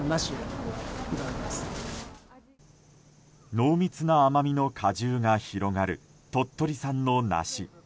濃密な甘みの果汁が広がる鳥取産の梨。